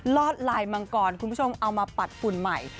ลอดลายมังกรคุณผู้ชมเอามาปัดฝุ่นใหม่